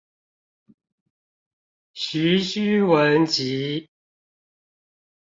徐訏文集